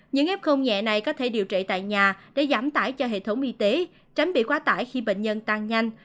những f nhẹ này có thể điều trị tại nhà để giảm tải cho hệ thống y tế tránh bị quá tải khi bệnh nhân tăng nhanh